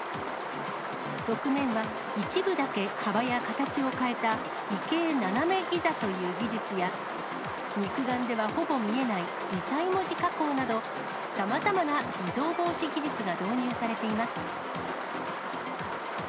側面は一部だけ幅や形を変えた異形斜めギザという技術や、肉眼ではほぼ見えない微細文字加工など、さまざまな偽造防止技術が導入されています。